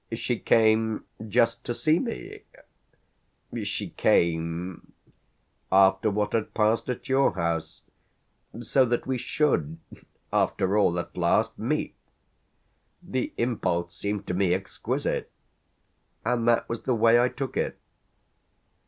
"She came just to see me. She came after what had passed at your house so that we should, after all, at last meet. The impulse seemed to me exquisite, and that was the way I took it."